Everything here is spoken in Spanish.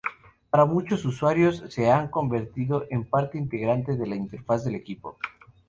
Para muchos usuarios, se han convertido en parte integrante de la interfaz del equipo.